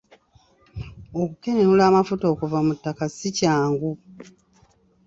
Okukenenula amafuta okuva mu ttaka si kyangu.